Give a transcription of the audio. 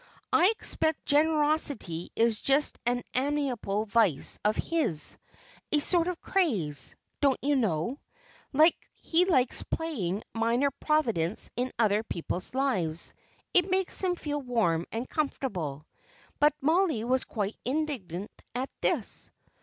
I expect generosity is just an amiable vice of his a sort of craze, don't you know. He likes playing minor providence in other people's lives. It makes him feel warm and comfortable." But Mollie was quite indignant at this.